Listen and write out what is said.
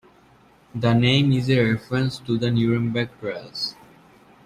The name is a reference to the Nuremberg Trials.